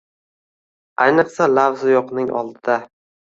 - ayniqsa lafzi yo‘qning oldida.